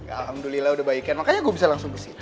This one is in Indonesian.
alhamdulillah udah baikkan makanya gue bisa langsung bersih